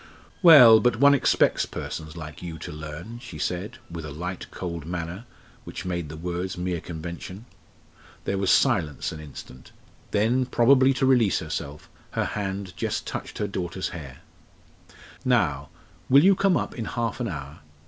"Well, but one expects persons like you to learn," she said, with a light, cold manner, which made the words mere convention. There was silence an instant; then, probably to release herself, her hand just touched her daughter's hair. "Now, will you come up in half an hour?